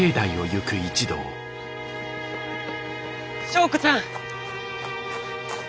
昭子ちゃん。